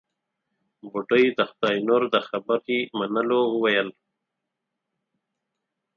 بوډۍ د خداينور د خبرې منلو وويل.